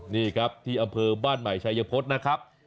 นี่ครับที่อำเภอบ้านใหม่ชายพฤษนะครับ